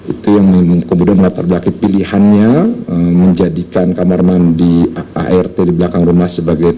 itu yang kemudian menatapkan pilihannya menjadikan kamar mandi art di belakang rumah sebagai tkp